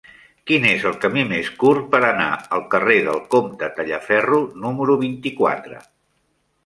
Quin és el camí més curt per anar al carrer del Comte Tallaferro número vint-i-quatre?